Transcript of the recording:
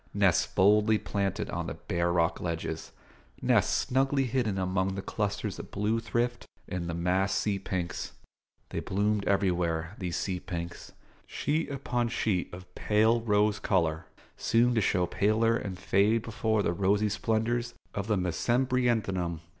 nests boldly planted on the bare rock ledges; nests snugly hidden among the clusters of blue thrift and the massed sea pinks. They bloomed everywhere, these sea pinks; sheet upon sheet of pale rose colour, soon to show paler and fade before the rosy splendours of the mesembryanthemum.